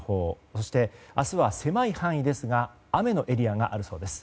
そして、明日は狭い範囲ですが雨のエリアがあるそうです。